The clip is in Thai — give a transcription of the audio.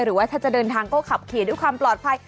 หรือว่าถ้าจะเดินทางก็ขับขี่ด้วยความปลอดภัย